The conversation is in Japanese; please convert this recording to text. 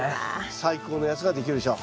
最高のやつができるでしょう。